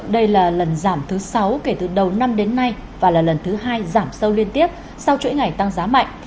đây là lần giảm thứ sáu kể từ đầu năm đến nay và là lần thứ hai giảm sâu liên tiếp sau chuỗi ngày tăng giá mạnh